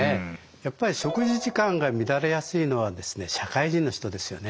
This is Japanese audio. やっぱり食事時間が乱れやすいのはですね社会人の人ですよね。